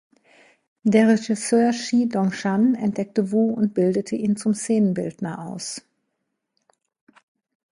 Der Regisseur Shi Dongshan entdeckte Wu und bildete ihn zum Szenenbildner aus.